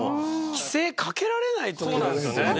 規制かけられないと思うんですよね。